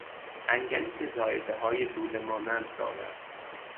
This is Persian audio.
انگلی که زایدههای لوله مانند دارد